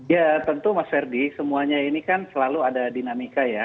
ya tentu mas ferdi semuanya ini kan selalu ada dinamika ya